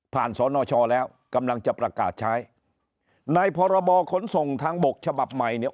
สนชแล้วกำลังจะประกาศใช้ในพรบขนส่งทางบกฉบับใหม่เนี่ย